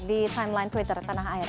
di timeline twitter tanah air